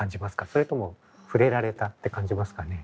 それともふれられたって感じますかね？